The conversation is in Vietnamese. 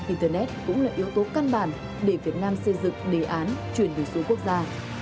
internet cũng là yếu tố căn bản để việt nam xây dựng đề án chuyển đổi số quốc gia